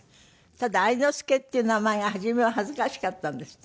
ただ愛之助っていう名前が初めは恥ずかしかったんですって？